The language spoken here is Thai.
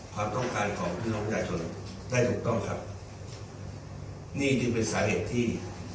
ความต้องการของพี่น้องประชาชนได้ถูกต้องครับนี่จึงเป็นสาเหตุที่